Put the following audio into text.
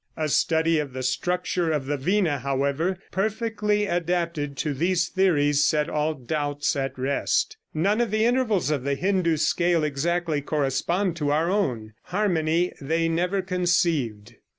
A study of the structure of the vina, however, perfectly adapted to these theories, set all doubts at rest. None of the intervals of the Hindoo scale exactly correspond to our own. Harmony they never conceived.